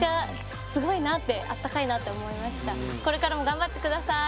これからも頑張って下さい！